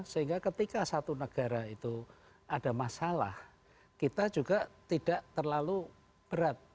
sehingga ketika satu negara itu ada masalah kita juga tidak terlalu berat